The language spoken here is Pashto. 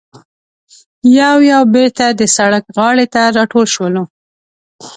یو یو بېرته د سړک غاړې ته راټول شولو.